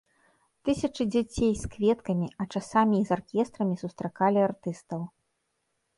Тысячы дзяцей з кветкамі, а часамі і з аркестрамі сустракалі артыстаў.